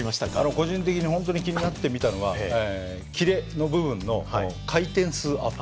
個人的に本当に気になって見たのはキレの部分の回転数アップ。